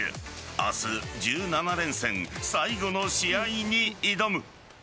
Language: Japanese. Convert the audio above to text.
明日、１７連戦最後の試合に挑む。